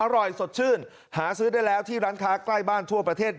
อร่อยสดชื่นหาซื้อได้แล้วที่ร้านค้าใกล้บ้านทั่วประเทศ